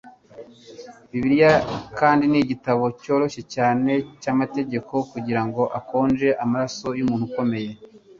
Bibiliya kandi igitabo cyoroshye cyane cyamategeko kugirango akonje amaraso yumuntu ukomeye